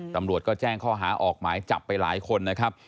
ตำรวจก็แจ้งข้อหาออกหมายจับไปหลายคนนะครับ